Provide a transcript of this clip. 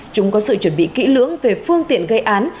chúng có sự chuẩn bị kỹ lưỡng về phương tiện gây án